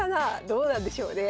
どうなんでしょうね。